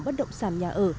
bất động sản nhà ở